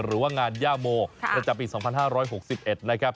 หรือว่างานย่าโมจับอีก๒๕๖๑นะครับ